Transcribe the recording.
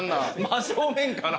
真正面から。